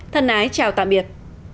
thân ái chào tạm biệt